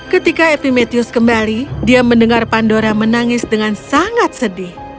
ketika epimetheus kembali dia mendengar pandora menangis dengan sangat sedih